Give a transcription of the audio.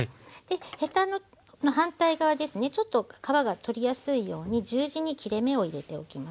ヘタの反対側ですねちょっと皮が取りやすいように十字に切れ目を入れておきます。